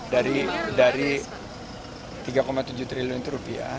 dari tiga tujuh triliun itu rupiah